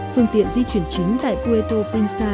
phương tiện di chuyển chính tại puerto princesa